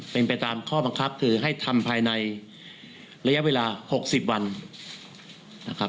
เป็นไปตามข้อบังคับคือให้ทำภายในระยะเวลา๖๐วันนะครับ